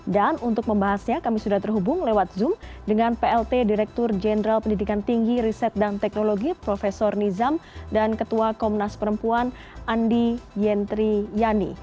dan untuk membahasnya kami sudah terhubung lewat zoom dengan plt direktur jenderal pendidikan tinggi riset dan teknologi prof nizam dan ketua komnas perempuan andi yentri yani